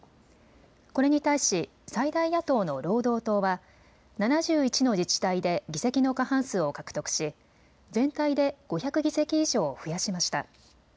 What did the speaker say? これに対し最大野党の労働党は７１の自治体で議席の過半数を獲得し、全体で５００議席以上増やしました。